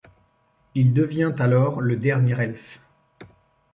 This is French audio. Il devient alors le Dernier Elfe.